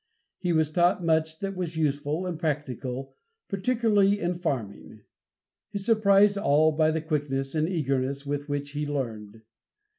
He was taught much that was useful and practical, particularly in farming. He surprised all by the quickness and eagerness with which he learned.